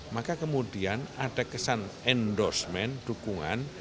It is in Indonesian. maka kemudian ada kesan endorsement dukungan